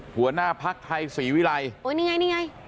หัวหน้าภักดิ์ไทยศรีวิรัยโอ้ยนี่ไงนี่ไง